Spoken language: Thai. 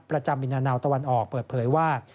ประจำวินาณาตะวันออกเปิดเพลยว่า